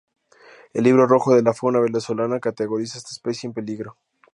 El Libro Rojo de la Fauna Venezolana, categoriza esta especie En Peligro.